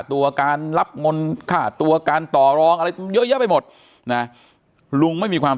ตัวการรับเงินค่าตัวการต่อรองอะไรเยอะแยะไปหมดนะลุงไม่มีความ